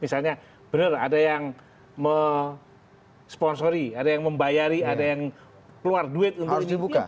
misalnya benar ada yang mensponsori ada yang membayari ada yang keluar duit untuk